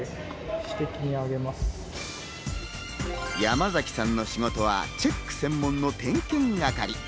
山崎さんの仕事はチェック専門の点検係。